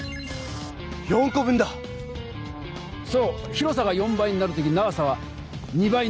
広さが４倍になる時長さは２倍になる。